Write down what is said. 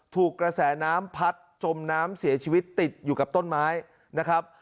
ถูกกระแสน้ำพัดจมน้ำเสียชีวิตติดอยู่กับต้นไม้นะครับ